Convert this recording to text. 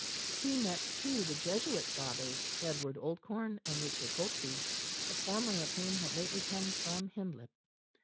He met, too, the Jesuit Fathers Edward Oldcorne and Richard Holtby, the former of whom had lately come from Hindlip.